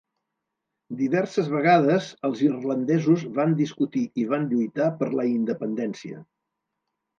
Diverses vegades els irlandesos van discutir i van lluitar per la independència.